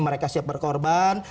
mereka siap berkorban